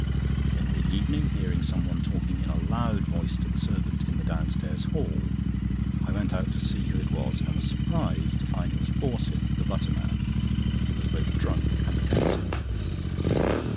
In the evening, hearing someone talking in a loud voice to the servant in the downstairs hall, I went out to see who it was, and was surprised to find it was Borset, the butterman, who was both drunk and offensive.